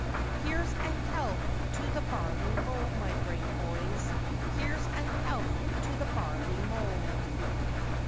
Cho. Here's a health to the barley mow, my brave boys! Here's a health to the barley mow!